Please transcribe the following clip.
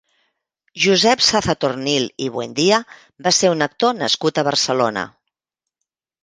Josep Sazatornil i Buendía va ser un actor nascut a Barcelona.